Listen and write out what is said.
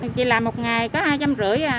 chị làm một ngày có hai trăm năm mươi à